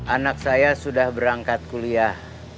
anak saya sudah berangkat kuliah